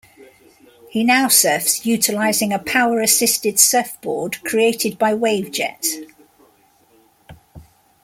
He now surfs utilizing a power assisted surfboard created by Wavejet.